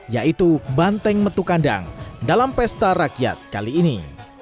yaitu banteng metu kandang dalam pesta rakyat kali ini